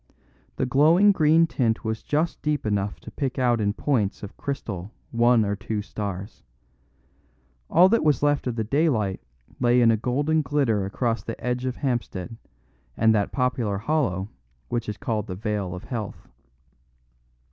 The glowing green tint was just deep enough to pick out in points of crystal one or two stars. All that was left of the daylight lay in a golden glitter across the edge of Hampstead and that popular hollow which is called the Vale of Health.